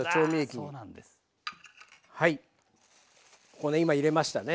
はいこうね今入れましたね。